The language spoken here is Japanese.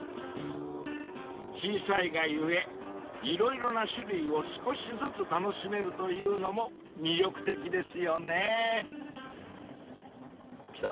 ［小さいが故色々な種類を少しずつ楽しめるというのも魅力的ですよね］来た。